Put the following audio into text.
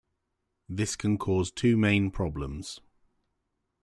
This can cause two main problems.